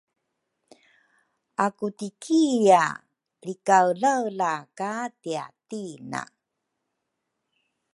akutikia lrikaelaela ka tiatina.